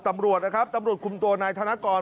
ตำรวจนะครับตำรวจคุมตัวนายธนกร